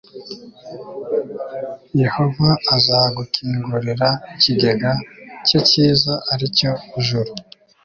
yehova azagukingurira ikigega cye cyiza, ari cyo juru